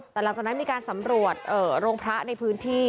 แต่หลังจากนั้นมีการสำรวจโรงพระในพื้นที่